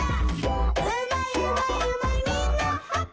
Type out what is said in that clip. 「うまいうまいうまいみんなハッピー」